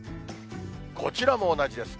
こちらも同じですね。